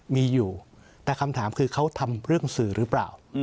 มีอยู่แต่คำถามคือเขาทำเรื่องสื่อหรือเปล่า